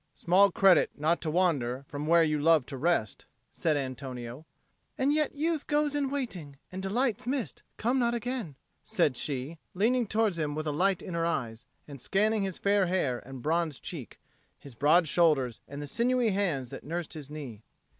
"Small credit not to wander where you love to rest," said Antonio. "And yet youth goes in waiting, and delights missed come not again," said she, leaning towards him with a light in her eyes, and scanning his fair hair and bronzed cheek, his broad shoulders and the sinewy hands that nursed his knee.